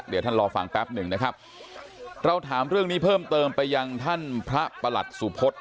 เดี๋ยวท่านรอฟังแป๊บหนึ่งนะครับเราถามเรื่องนี้เพิ่มเติมไปยังท่านพระประหลัดสุพศ